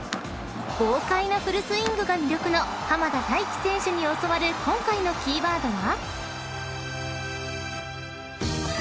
［豪快なフルスイングが魅力の濱田太貴選手に教わる今回のキーワードは？］